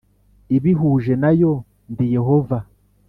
Ibihuje na yo ndi yehova